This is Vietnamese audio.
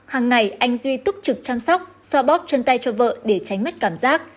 hàng ngày anh duy túc trực chăm sóc soa bóp chân tay cho vợ để tránh mất cảm giác